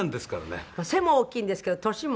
黒柳：背も大きいんですけど年も。